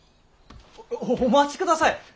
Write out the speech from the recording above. おお待ちください。